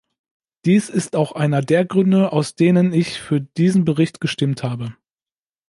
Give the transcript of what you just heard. Dies ist auch einer der Gründe, aus denen ich für diesen Bericht gestimmt habe.